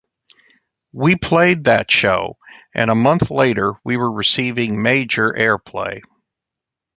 We played that show, and a month later we were receiving major airplay.